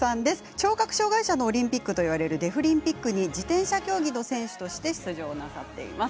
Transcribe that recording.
聴覚障がい者のオリンピックといわれるデフリンピックに自転車競技の選手として出場なさっています。